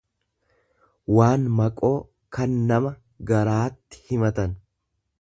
waan maqoo kan nama garaatti himatan.